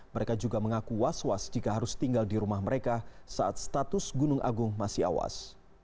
mereka juga mengaku was was jika harus tinggal di rumah mereka saat status gunung agung masih awas